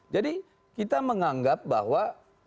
jadi kita menganggap bahwa